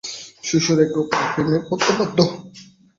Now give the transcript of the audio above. শিশুরা একে অপরের প্রেমে পড়তে বাধ্য।